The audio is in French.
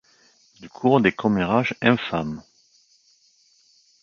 Il court des commérages infâmes.